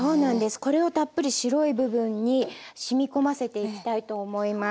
これをたっぷり白い部分にしみ込ませていきたいと思います。